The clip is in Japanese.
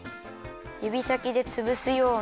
ゆびさきでつぶすように。